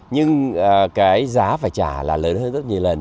nhưng cái giá phải trả là lớn hơn rất nhiều lần